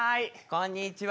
こんにちは。